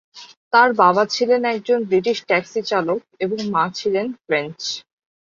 তার বাবা ছিলেন একজন ব্রিটিশ ট্যাক্সি চালক এবং মা ছিলেন ফ্রেঞ্চ।